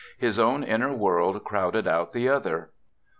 His own inner world crowded out the other.